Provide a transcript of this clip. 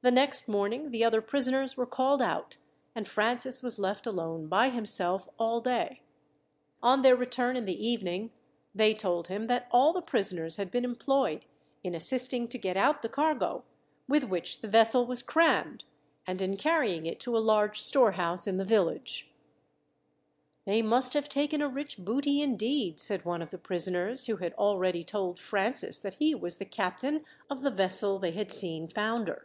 The next morning the other prisoners were called out, and Francis was left alone by himself all day. On their return in the evening, they told him that all the prisoners had been employed in assisting to get out the cargo, with which the vessel was crammed, and in carrying it to a large storehouse in the village. "They must have taken a rich booty, indeed," said one of the prisoners, who had already told Francis that he was the captain of the vessel they had seen founder.